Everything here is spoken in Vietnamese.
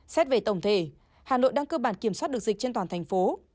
xét về tổng thể hà nội đang cơ bản kiểm soát được dịch trên toàn thành phố